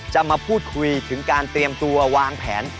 มาพูดคุยถึงการเตรียมตัววางแผน